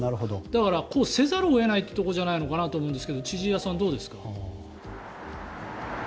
だから、こうせざるを得ないというところじゃないかと思うんですが千々岩さん、どうですか？